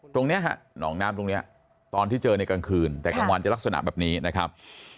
ตรงนี้ฮะหนองน้ำตรงนี้ตอนที่เจอในกลางคืนแต่กลางวันจะลักษณะแบบนี้นะครับ